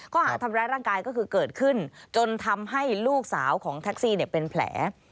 ข้อหาทำร้ายร่างกายก็คือเกิดขึ้นจนทำให้ลูกสาวของแท็กซี่เป็นแผล